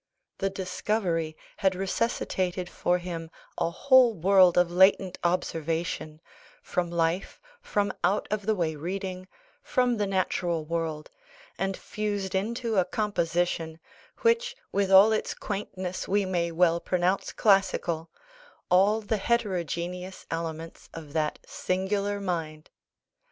The discovery had resuscitated for him a whole world of latent observation, from life, from out of the way reading, from the natural world, and fused into a composition, which with all its quaintness we may well pronounce classical, all the heterogeneous elements of that singular mind.